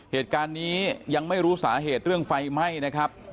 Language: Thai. เหตุการณ์นี้ยังไม่รู้สาเหตุเรื่องไฟไหม้นะครับ